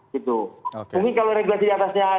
mungkin kalau regulasi diatasnya